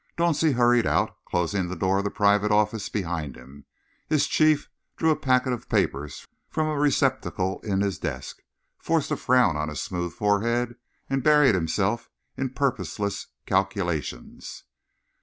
Dauncey hurried out, closing the door of the private office behind him. His chief drew a packet of papers from a receptacle in his desk, forced a frown on to his smooth forehead, and buried himself in purposeless calculations.